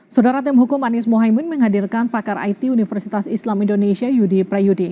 saudara tim hukum anies mohaimin menghadirkan pakar it universitas islam indonesia yudi prayudi